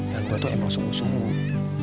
nah gue tuh emang sungguh sungguh